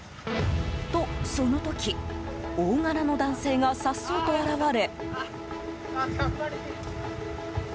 と、その時大柄の男性が颯爽と現れ。